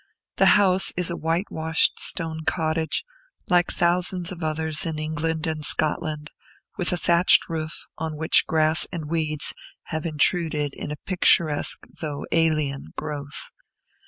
The house is a whitewashed stone cottage, like thousands of others in England and Scotland, with a thatched roof, on which grass and weeds have intruded a picturesque, though alien growth.